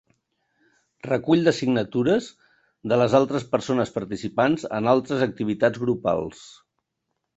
Recull de signatures de les persones participants en altres activitats grupals.